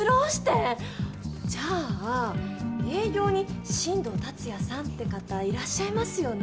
じゃあ営業に新藤達也さんって方いらっしゃいますよね？